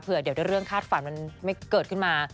เดี๋ยวเรื่องคาดฝันมันไม่เกิดขึ้นมา